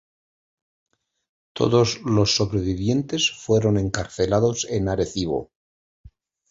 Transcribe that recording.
Todos los sobrevivientes fueron encarcelados en Arecibo.